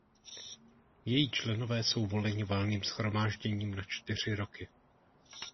Její členové jsou voleni Valným shromážděním na čtyři roky.